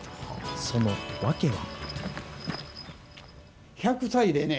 その訳は。